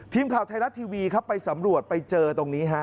ทีมข่าวไทยรัฐทีวีครับไปสำรวจไปเจอตรงนี้ฮะ